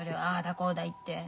こうだ言って。